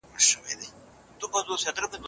د دې سړي څېره باید بدله شي ترڅو خلک تېر نه وځي.